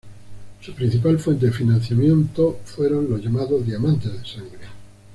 Su principal fuente de financiamiento fueron los llamados "diamantes de sangre".